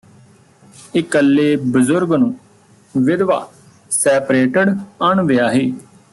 ਇਕੱਲੇ ਬਜ਼ੁਰਗ ਨੂੰ ਵਿਧਵਾ ਸੈਪਰੇਟਡ ਅਣਵਿਆਹੇ